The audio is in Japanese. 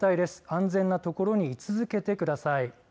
安全なところに居続けてください。